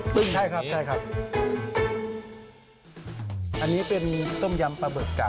ปึ้งใช่ครับอันนี้เป็นต้มยำปลาบึกครับ